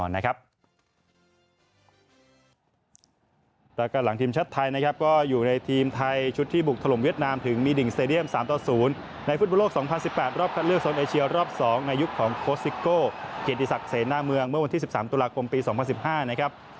แล้วก็หลังทีมชาติไทยนะครับก็อยู่ในทีมไทยชุดที่บุกถล่มเวียดนามถึงมีดิ่งสเตดียม๓ต่อ๐ในฟุตบอลโลก๒๐๑๘รอบคัดเลือกโซนเอเชียรอบ๒ในยุคของโคสิโก้เกียรติศักดิ์เสนาเมืองเมื่อวันที่๑๓ตุลาคมปี๒๐๑๕นะครับ